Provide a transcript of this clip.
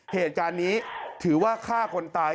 เหตุการณ์นี้ถือว่าฆ่าคนตาย